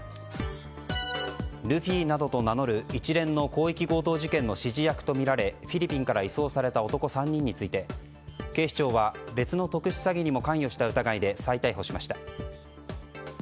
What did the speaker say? ルフィなどと名乗る一連の広域強盗事件の指示役とみられフィリピンから移送された男３人について警視庁は別の特殊詐欺にも関与した疑いで再逮捕しました。